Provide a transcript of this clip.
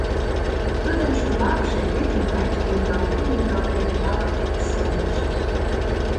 Тудын шомакше, вӱд ӱмбач лӱҥгалтен-лӱҥгалтен, калык деке солныш: